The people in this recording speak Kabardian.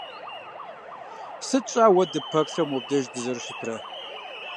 Сыт щӀа уэ дыппэплъэу мобдеж дызэрыщытрэ.